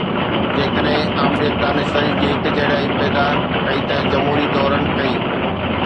جيڪڏهن آمريت دانشوري جي هڪجهڙائي پيدا ڪئي ته جمهوري دورن ڪئي